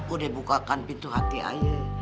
udah bukakan pintu hati ayo